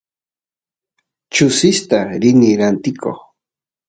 kuchista rini rantikoq